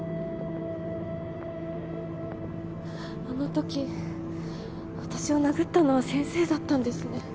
あの時私を殴ったのは先生だったんですね。